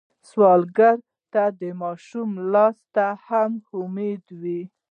سوالګر ته د ماشوم لاس هم امید وي